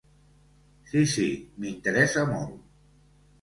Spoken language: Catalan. Sí sí, m'interessa molt.